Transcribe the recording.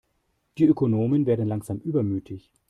Die Ökonomen werden langsam übermütig.